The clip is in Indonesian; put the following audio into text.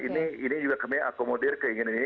ini juga kami akomodir keinginan ini